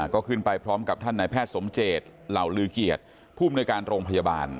ก็ขึ้นไปพร้อมกับท่านนายแพทย์สมเจตเหล่าลือเกียรติภูมิในการโรงพยาบาล